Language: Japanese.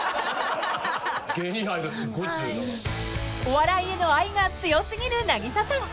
［お笑いへの愛が強すぎる凪咲さん］